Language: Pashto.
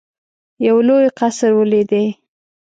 یو لوی قصر ولیدی.